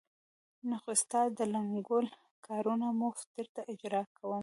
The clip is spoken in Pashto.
نه، خو ستا د لنګول کارونه مفت درته اجرا کوم.